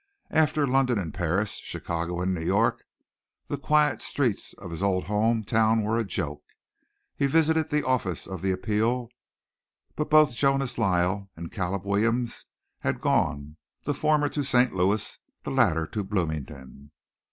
After London and Paris, Chicago and New York, the quiet streets of his old home town were a joke. He visited the office of the Appeal but both Jonas Lyle and Caleb Williams had gone, the former to St. Louis, the latter to Bloomington.